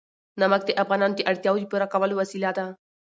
نمک د افغانانو د اړتیاوو د پوره کولو وسیله ده.